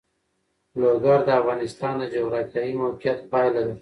لوگر د افغانستان د جغرافیایي موقیعت پایله ده.